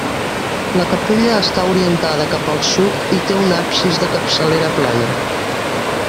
La capella està orientada cap al sud i té un absis de capçalera plana.